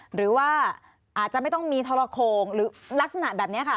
หรือว่าอาจจะไม่ต้องมีทรโคงหรือลักษณะแบบนี้ค่ะ